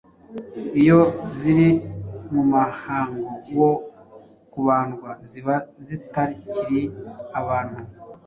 iyo ziri mu muhango wo kubandwa, ziba zitakiri abantu